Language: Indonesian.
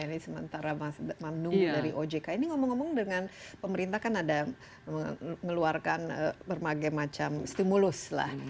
ini sementara mas mandung dari ojk ini ngomong ngomong dengan pemerintah kan ada mengeluarkan berbagai macam stimulus lah